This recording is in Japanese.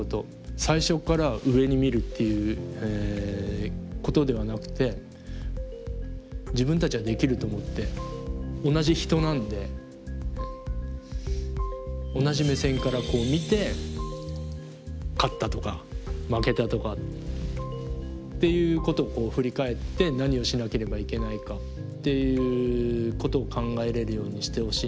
最初から上に見るっていうことではなくて自分たちはできると思って同じ人なんで同じ目線から見て勝ったとか負けたとかっていうことを振り返って何をしなければいけないかっていうことを考えれるようにしてほしいなと思います。